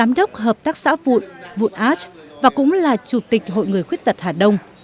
một hợp tác xã vụn vụn arch và cũng là chủ tịch hội người khuyết tật hà đông